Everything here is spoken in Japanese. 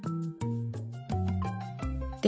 で